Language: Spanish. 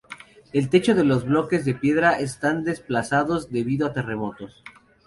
En el techo los bloques de piedra están desplazados debido a terremotos.